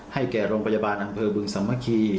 ให้แก่โรงพยาบาลอำเภอบึงสัมภิกษ์